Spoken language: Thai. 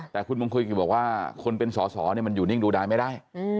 แต่คุณมงคลกิจบอกว่าคนเป็นสอสอมันอยู่นิ่งดูดายไม่ได้